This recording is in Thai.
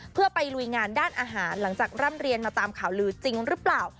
เพื่อไปลุยงานด้านอาหารหลังจากร่ำเรียนมาตามข่าวลือจริงหรือเปล่า